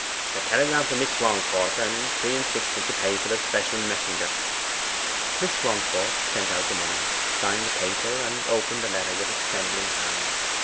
'A telegram for Miss Swancourt, and three and sixpence to pay for the special messenger.' Miss Swancourt sent out the money, signed the paper, and opened her letter with a trembling hand.